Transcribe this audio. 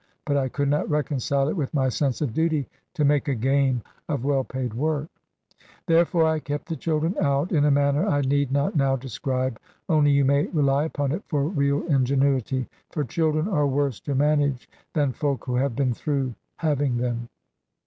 But I could not reconcile it with my sense of duty to make a game of well paid work; therefore I kept the children out, in a manner I need not now describe, only you may rely upon it for real ingenuity; for children are worse to manage than folk who have been through having them.